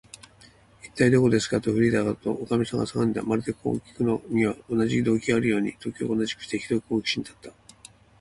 「いったい、どこですか？」と、フリーダとおかみとが叫んだ。まるで、こうきくのには同じ動機があるかのように、時を同じくして、ひどく好奇心たっぷりな